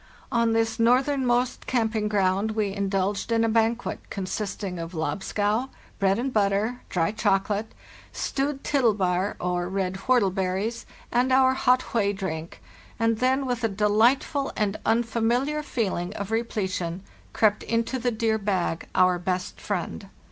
"On this northernmost camping ground we indulged in a banquet, consisting of lobscouse, bread and butter, dry chocolate, stewed *' tytlebzr, or red whortleberries, and our hot whey drink, and then, with a delightful and unfamiliar feeling of repletion, crept into the dear bag, our best friend.